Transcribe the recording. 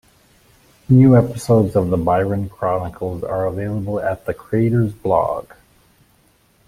Newer episodes of the Byron Chronicles are available at the creators blog.